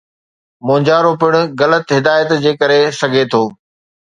مونجهارو پڻ غلط هدايت جي ڪري سگھي ٿو.